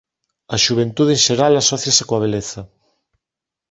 A xuventude en xeral asóciase coa beleza.